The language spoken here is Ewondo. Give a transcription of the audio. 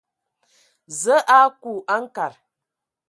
Zǝə a aku a nkad.